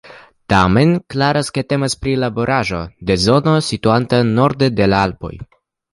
Tamen klaras ke temas pri laboraĵo de zono situanta norde de la Alpoj.